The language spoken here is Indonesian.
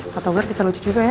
pak togar bisa lucu juga ya